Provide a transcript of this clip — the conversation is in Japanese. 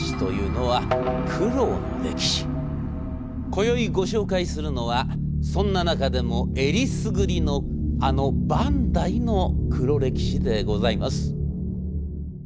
今宵ご紹介するのはそんな中でもえりすぐりのあのバンダイの黒歴史でございます。